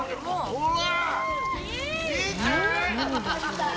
・うわ！